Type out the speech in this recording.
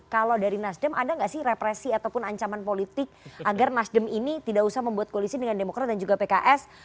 kalau dari nasdem ada nggak sih represi ataupun ancaman politik agar nasdem ini tidak usah membuat koalisi dengan demokrat dan juga pks